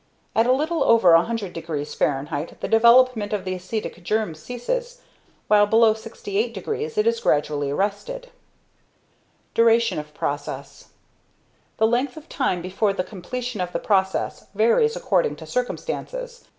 At a little over 100 deg. Fah. the development of the acetic germ ceases, while below 68 deg. it is gradually arrested. [Sidenote: Duration of Process.] The length of time before the completion of the process varies according to circumstances.